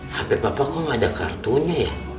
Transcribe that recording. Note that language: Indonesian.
hape papa kok gak ada kartunya ya